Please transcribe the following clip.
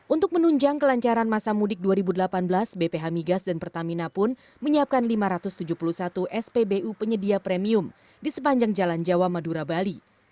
untuk menunjang kelancaran masa mudik dua ribu delapan belas bph migas dan pertamina pun menyiapkan lima ratus tujuh puluh satu spbu penyedia premium di sepanjang jalan jawa madura bali